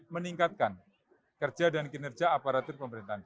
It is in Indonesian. meningkatkan kerja dan kinerja aparatur pemerintahan